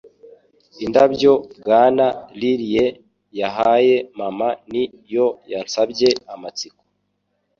Indabyo Bwana Riley yahaye mama ni yo yansabye amatsiko